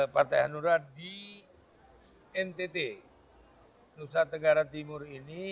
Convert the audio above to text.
partai hanura di ntt nusa tenggara timur ini